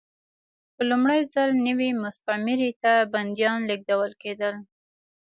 په لومړي ځل نوې مستعمرې ته بندیان لېږدول کېدل.